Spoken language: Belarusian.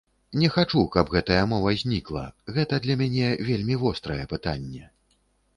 Не хачу, каб гэтая мова знікла, гэта для мяне вельмі вострае пытанне.